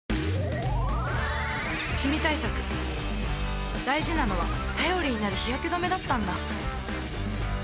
シミ対策大事なのは頼りになる日焼け止めだったんだ